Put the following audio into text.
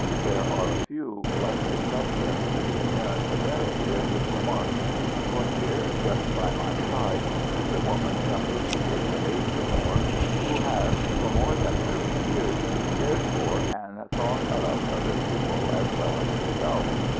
There are a few blessed exceptions to the apparent severity of this remark. For here, just by my side, sits a woman some fifty years of age or more, who has, for more than thirty years, cared for and thought of other people as well as herself.